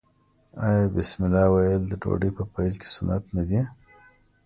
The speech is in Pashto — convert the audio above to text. آیا بسم الله ویل د ډوډۍ په پیل کې سنت نه دي؟